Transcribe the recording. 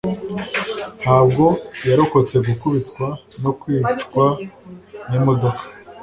Ntabwo yarokotse gukubitwa no kwicwa n'imodoka.